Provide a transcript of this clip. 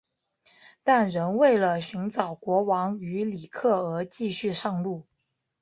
但仍为了寻找国王与里克而继续上路。